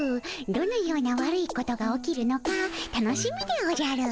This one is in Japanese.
どのような悪いことが起きるのか楽しみでおじゃる。